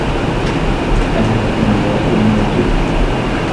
أنهى سامي غسل النّوافذ.